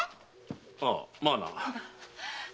ああまあな。